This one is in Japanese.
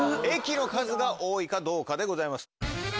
駅の数が多いかどうかでございます。